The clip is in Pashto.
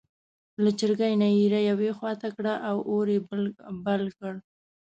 له چرګۍ نه یې ایرې یوې خوا ته کړې او اور یې بل کړ.